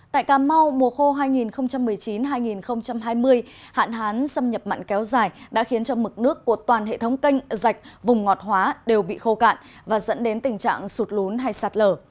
tại cà mau mùa khô hai nghìn một mươi chín hai nghìn hai mươi hạn hán xâm nhập mặn kéo dài đã khiến cho mực nước của toàn hệ thống canh dạch vùng ngọt hóa đều bị khô cạn và dẫn đến tình trạng sụt lún hay sạt lở